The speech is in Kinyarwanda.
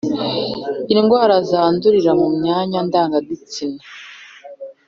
Indwara zandurira mu myanya ndangagitsina